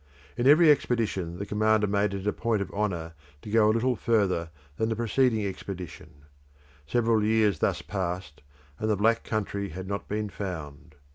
In every expedition the commander made it a point of honour to go a little further than the preceding expedition. Several years thus passed, and the Black Country had not been found.